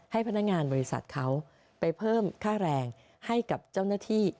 ให้พนักงานบริษัทเขาไปเพิ่มค่าแรงให้กับเจ้าหน้าที่